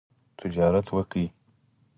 تجارت وکړئ